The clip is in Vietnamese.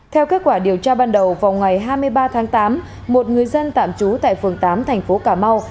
theo kết quả điều tra ban đầu vào ngày hai mươi ba tháng tám một người dân tạm trú tại phường tám thành phố cà mau